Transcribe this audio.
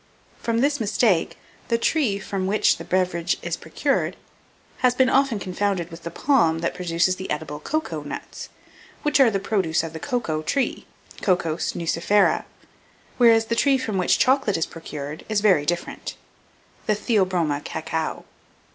From this mistake, the tree from which the beverage is procured has been often confounded with the palm that produces the edible cocoa nuts, which are the produce of the cocoa tree (Cocos nucifera), whereas the tree from which chocolate is procured is very different (the Theobroma cacao).